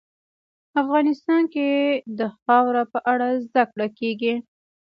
افغانستان کې د خاوره په اړه زده کړه کېږي.